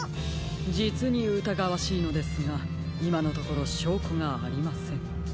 じつにうたがわしいのですがいまのところしょうこがありません。